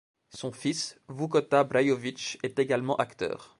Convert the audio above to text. Son fils, Vukota Brajović, est également acteur.